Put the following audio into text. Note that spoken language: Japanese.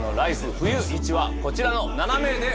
冬．１」はこちらの７名でお送りします！